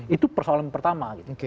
itu persoalan pertama gitu